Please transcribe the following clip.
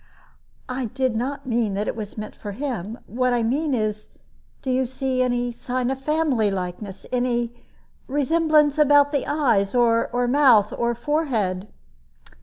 "I did not mean that it was meant for him; what I mean is, do you see any sign of family likeness? Any resemblance about the eyes, or mouth, or forehead?"